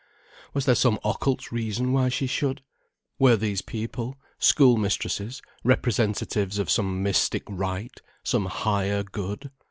Was there some occult reason why she should? Were these people, schoolmistresses, representatives of some mystic Right, some Higher Good?